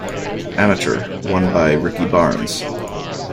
Amateur won by Ricky Barnes.